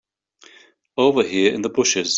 Over here in the bushes.